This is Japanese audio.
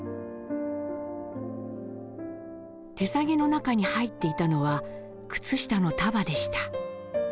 手提げの中に入っていたのは靴下の束でした。